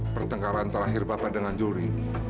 pertengkaran terakhir bapak dengan juri